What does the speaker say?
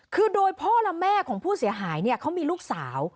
คือโดยพ่อและแม่ของผู้เสียหายเนี่ยเขามีลูกสาว